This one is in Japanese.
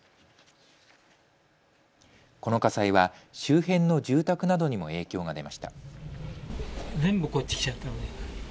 この火災は周辺の住宅などにも影響が出ました。